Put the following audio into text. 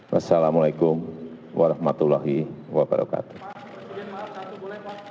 wassalamu'alaikum warahmatullahi wabarakatuh